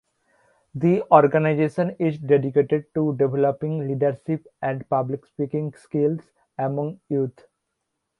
The organization is dedicated to developing leadership and public speaking skills among youth.